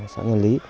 xã nhân lý